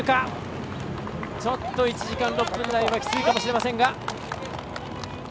ちょっと１時間６分台はきついかもしれませんが。